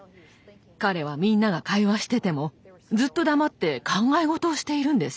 彼はみんなが会話しててもずっと黙って考え事をしているんです。